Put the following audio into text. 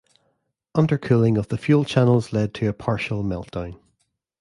Undercooling of the fuel channels led to a partial meltdown.